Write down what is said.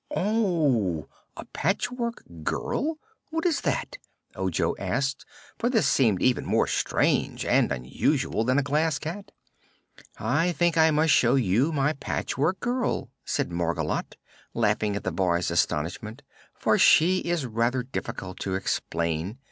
"Oh! A Patchwork Girl? What is that?" Ojo asked, for this seemed even more strange and unusual than a Glass Cat. "I think I must show you my Patchwork Girl," said Margolotte, laughing at the boy's astonishment, "for she is rather difficult to explain.